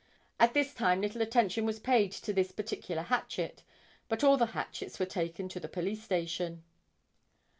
At this time little attention was paid to this particular hatchet, but all the hatchets were taken to the police station.